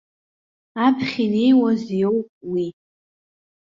Аԥхьа инеиуаз иоуп уи.